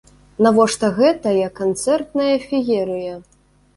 Навошта гэтая канцэртная феерыя?